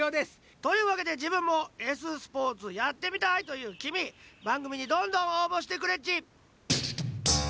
というわけでじぶんも「Ｓスポーツやってみたい！」というきみばんぐみにどんどんおうぼしてくれっち！